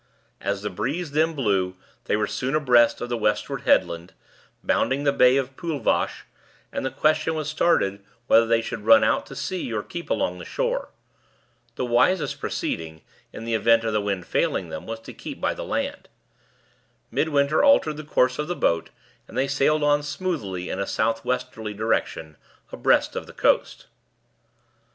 As the breeze then blew, they were soon abreast of the westward headland, bounding the Bay of Poolvash, and the question was started whether they should run out to sea or keep along the shore. The wisest proceeding, in the event of the wind failing them, was to keep by the land. Midwinter altered the course of the boat, and they sailed on smoothly in a south westerly direction, abreast of the coast.